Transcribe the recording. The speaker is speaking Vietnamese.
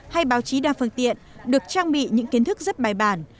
hay báo chí đa phương tiện được trang bị những kiến thức rất bài bản